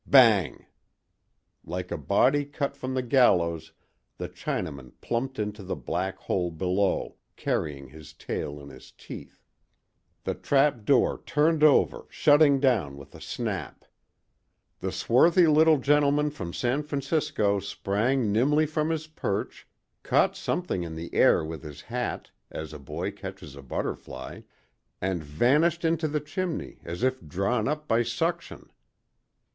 Bang! Like a body cut from the gallows the Chinaman plumped into the black hole below, carrying his tail in his teeth. The trapdoor turned over, shutting down with a snap. The swarthy little gentleman from San Francisco sprang nimbly from his perch, caught something in the air with his hat, as a boy catches a butterfly, and vanished into the chimney as if drawn up by suction.